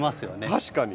確かに。